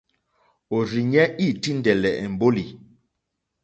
Òrzìɲɛ́ î tíndɛ̀lɛ̀ èmbólì.